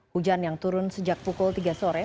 hujan yang turun sejak pukul tiga sore